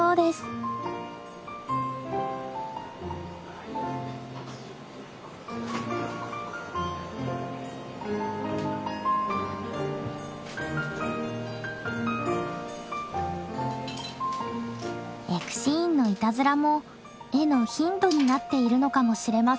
エクシーンのいたずらも絵のヒントになっているのかもしれませんね。